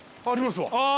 ありますわ。